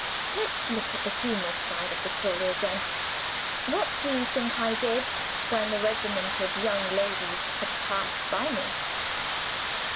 Let's look at the humorous side of the story again. What do you think I did when the regiment of young ladies had passed by me?"